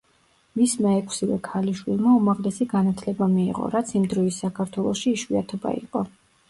მისმა ექვსივე ქალიშვილმა, უმაღლესი განათლება მიიღო, რაც იმ დროის საქართველოში იშვიათობა იყო.